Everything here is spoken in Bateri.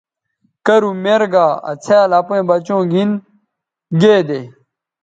کرُو میر گا آ څھیال اپئیں بچوں گھِن گے دے۔